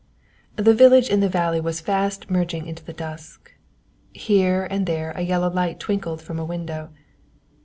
The village in the valley was fast merging into the dusk; here and there a yellow light twinkled from a window.